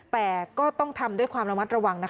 แต่ก็ต้องทำด้วยความระมัดระวังนะคะ